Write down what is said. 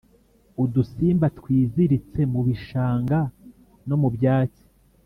udusimba twiziritse mu bishanga no mu byatsi,